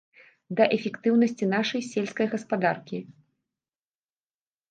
Да эфектыўнасці нашай сельскай гаспадаркі.